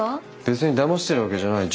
別にだましてるわけじゃない